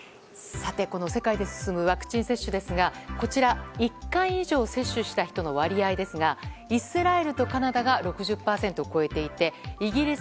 世界で進むワクチン接種ですがこちら１回以上接種した人の割合ですがイスラエルとカナダが６０％を超えていてイギリス、